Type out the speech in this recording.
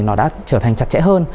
nó đã trở thành chặt chẽ hơn